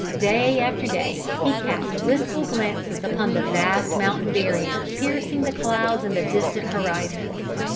Day after day he cast wistful glances upon the vast mountain barrier piercing the clouds in the distant horizon.